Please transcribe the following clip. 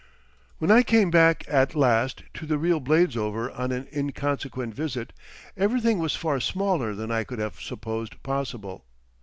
When I came back at last to the real Bladesover on an inconsequent visit, everything was far smaller than I could have supposed possible.